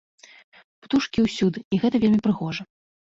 Птушкі ўсюды, і гэта вельмі прыгожа.